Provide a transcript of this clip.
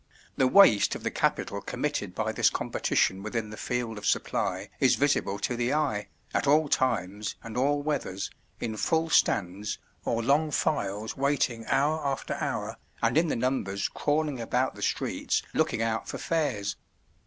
The waste of the capital committed by this competition within the field of supply is visible to the eye, at all times and all weathers, in full stands, or long files waiting hour after hour, and in the numbers crawling about the streets looking out for fares.